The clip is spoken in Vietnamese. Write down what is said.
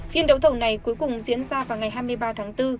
phiên đấu thầu này cuối cùng diễn ra vào ngày hai mươi ba tháng bốn